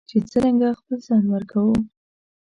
چې څرنګه خپل ځان ورکوو.